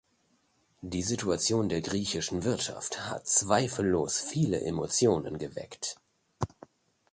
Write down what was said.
Die Situation der griechischen Wirtschaft hat zweifellos viele Emotionen geweckt.